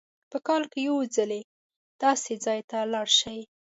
په کال کې یو ځل داسې ځای ته لاړ شئ.